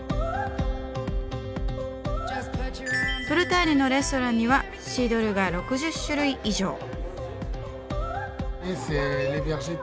ブルターニュのレストランにはシードルが６０種類以上。